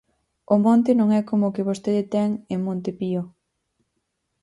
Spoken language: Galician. O monte non é como o que vostede ten en Monte Pío.